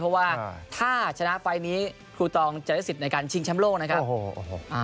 เพราะว่าถ้าชนะไฟล์นี้ครูตองจะได้สิทธิ์ในการชิงแชมป์โลกนะครับ